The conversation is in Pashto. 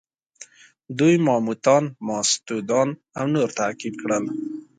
دوی ماموتان، ماستودان او نور تعقیب کړل.